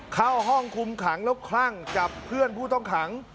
เข้าห้องคุมขังแล้วคลั่งจับเพื่อนผู้ต้องขัง